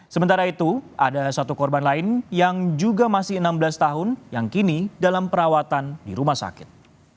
sementara itu ada satu korban lain yang juga masih enam belas tahun yang kini dalam perawatan di rumah sakit